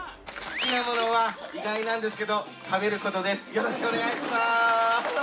よろしくお願いします。